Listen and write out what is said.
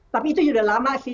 tapi itu sudah lama sih